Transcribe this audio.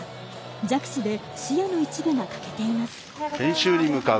弱視で視野の一部がかけています。